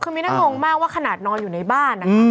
คือมีน้องงงมากว่าขนาดนอนอยู่ในบ้าน